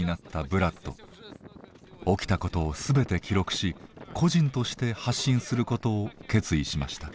起きたことをすべて記録し個人として発信することを決意しました。